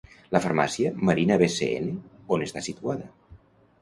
La Farmàcia Marina Bcn, on està situada?